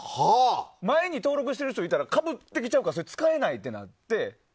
前に登録している人がいたらかぶってきちゃうから使えないってなって。